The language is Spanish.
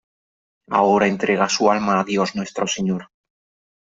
ahora entrega su alma a Dios Nuestro Señor .